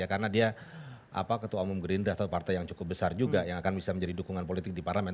karena dia ketua umum gerindra atau partai yang cukup besar juga yang akan bisa menjadi dukungan politik di parlemen